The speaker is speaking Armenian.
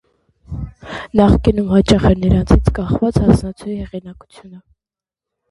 Նախկինում հաճախ նրանից էր կախված հարսնացուի հեղինակությունը։